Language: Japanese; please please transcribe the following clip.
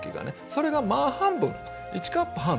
それが半分１カップ半で。